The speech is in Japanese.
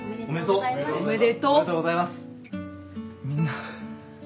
みんな。